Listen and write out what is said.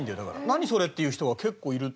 「何？それ」って言う人が結構いる。